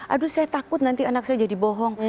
aduh saya takut nanti anak saya jadi bohong